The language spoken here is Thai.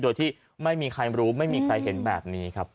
โดยที่ไม่มีใครรู้ไม่มีใครเห็นแบบนี้ครับ